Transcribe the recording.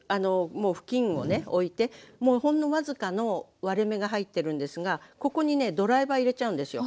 もうふきんをね置いてもうほんの僅かの割れ目が入ってるんですがここにねドライバー入れちゃうんですよ。